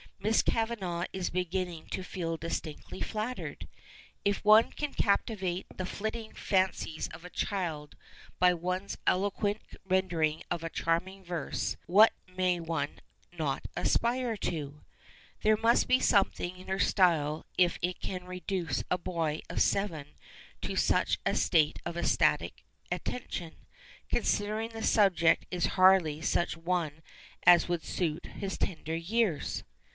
Miss Kavanagh is beginning to feel distinctly flattered. If one can captivate the flitting fancies of a child by one's eloquent rendering of charming verse, what may one not aspire to? There must be something in her style if it can reduce a boy of seven to such a state of ecstatic attention, considering the subject is hardly such a one as would suit his tender years.